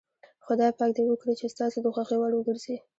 خدای پاک دې وکړي چې ستاسو د خوښې وړ وګرځي.